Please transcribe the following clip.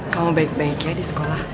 kamu baik baik ya di sekolah